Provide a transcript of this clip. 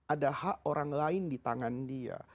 ada hak orang lain di tangan dia